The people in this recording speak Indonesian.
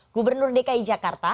gubernur dki jakarta